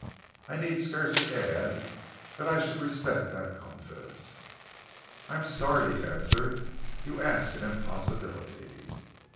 I need scarcely add that I should respect that confidence." "I am sorry," he answered. "You ask an impossibility."